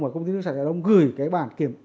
mà công ty nước sạch hà đông gửi cái bản kiểm